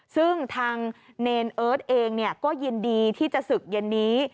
ซึ่งทางเนรเอิร์ทเองก็ยินดีที่จะศึกเย็นนี้